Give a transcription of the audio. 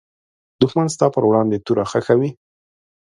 دښمن ستا پر وړاندې توره خښوي